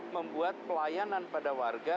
membuat pelayanan pada warga